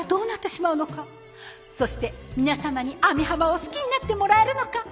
そして皆様に網浜を好きになってもらえるのか？